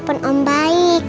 aku mau telepon om baik